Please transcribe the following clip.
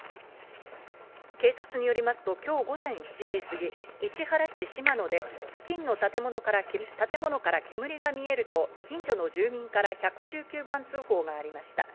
警察によりますと今日午前７時過ぎ、市原市島野で付近の建物から煙が見えると近所の住民から１１９番通報がありました。